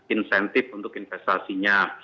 insentif untuk investasinya